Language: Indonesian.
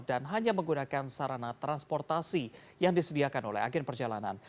dan hanya menggunakan sarana transportasi yang disediakan oleh agen perjalanan